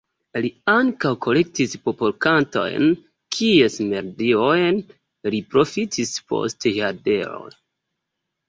Li ankaŭ kolektis popolkantojn, kies melodiojn li profitis post jardekoj.